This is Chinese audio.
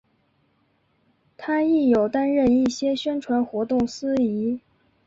她亦有担任一些宣传活动司仪。